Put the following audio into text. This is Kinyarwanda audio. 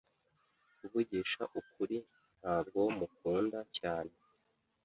Kuvugisha ukuri, ntabwo mukunda cyane.